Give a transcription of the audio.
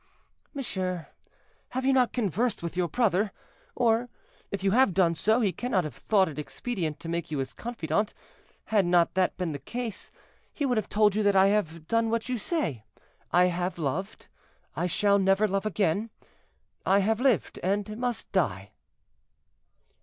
"Monsieur, have you not conversed with your brother? or, if you have done so, he cannot have thought it expedient to make you his confidant; had not that been the case, he would have told you that I have done what you say—I have loved; I shall never love again; I have lived and must die."